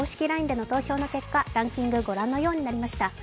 ＬＩＮＥでの投票の結果、ランキング御覧のようになりました。